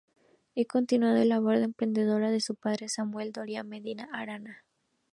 Ha continuado la labor emprendedora de su padre, Samuel Doria Medina Arana.